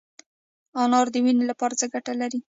انار د وینې لپاره څه ګټه لري؟